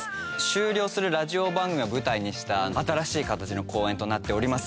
終了するラジオ番組を舞台にした新しい形の公演となっております。